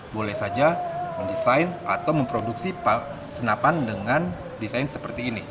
boleh saja mendesain atau memproduksi senapan dengan desain seperti ini